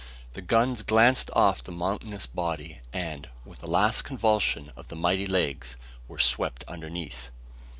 The guns glanced off the mountainous body and, with a last convulsion of the mighty legs, were swept underneath!